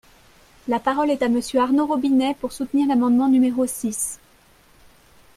La parole est à Monsieur Arnaud Robinet, pour soutenir l’amendement numéro six.